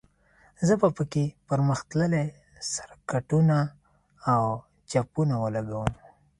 زه به په کې پرمختللي سرکټونه او چپونه ولګوم